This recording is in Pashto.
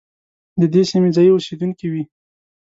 د دې سیمې ځايي اوسېدونکي وي.